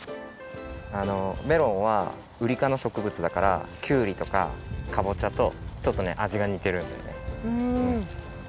メロンはウリかのしょくぶつだからきゅうりとかかぼちゃとちょっとね味がにてるんだよね。